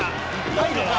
入るか？